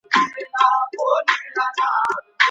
د لاس لیکنه د مسؤلیتونو د یادونې تر ټولو ښه وسیله ده.